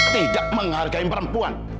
tidak menghargai perempuan